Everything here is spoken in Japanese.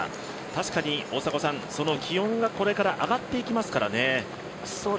確かに気温がこれから上がっていきますからね。